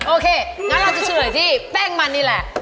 โอเคงั้นเราจะเฉลยที่แป้งมันนี่แหละ